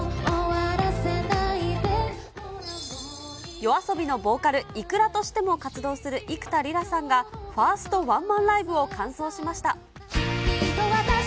ＹＯＡＳＯＢＩのボーカル、ｉｋｕｒａとしても、活動する幾田りらさんが、ファーストワンマンライブを完走しました。